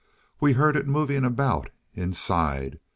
We heard it moving about inside.